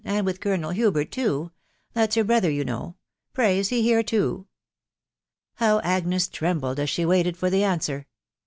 and with Colonel Hubert too ; that's her brother, you know. Pray, is he here too ?" How Agnes trembled as she waited for the answer